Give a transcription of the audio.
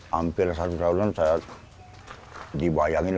hampir satu tahunan saya dibayangin